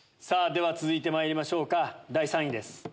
続いてまいりましょうか第３位です。